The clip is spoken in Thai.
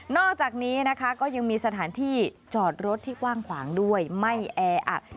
อกจากนี้นะคะก็ยังมีสถานที่จอดรถที่กว้างขวางด้วยไม่แออัด